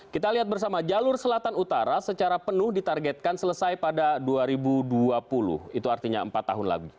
kita lihat bersama jalur selatan utara secara penuh ditargetkan selesai pada dua ribu dua puluh itu artinya empat tahun lagi